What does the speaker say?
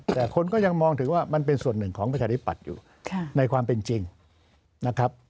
แต่คนก็ยังมองถึงว่ามันเป็นส่วนหนึ่งของประชาธิปัตย์อยู่ในความเป็นจริงนะครับ